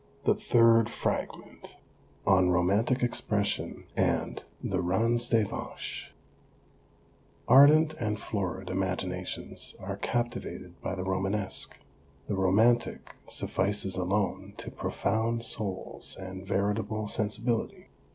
THE THIRD FRAGMENT ON ROMANTIC EXPRESSION AND THE " RAN2 DES VACHES " Ardent and florid imaginations are captivated by the romanesque; the romantic suffices alone to profound souls and veritable sensibility.